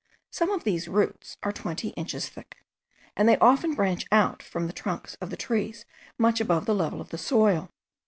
Some of these roots are twenty inches thick, and they often branch out from the trunks of the trees much above the level of the soil.